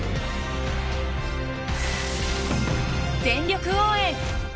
全力応援！